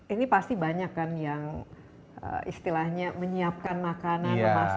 ini pasti banyak kan yang istilahnya menyiapkan makanan